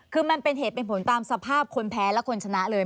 คือมันเป็นเหตุเป็นผลตามสภาพคนแพ้และคนชนะเลย